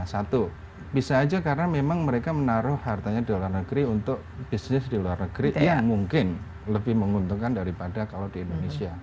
satu bisa aja karena memang mereka menaruh hartanya di luar negeri untuk bisnis di luar negeri yang mungkin lebih menguntungkan daripada kalau di indonesia